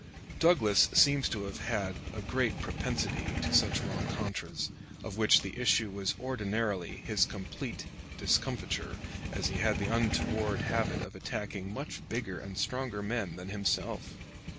Douglas seems to have had a great propensity to such rencontres, of which the issue was ordinarily his complete discomfiture, as he had the untoward habit of attacking much bigger and stronger men than himself.